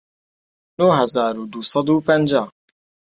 نۆ هەزار و دوو سەد و پەنجا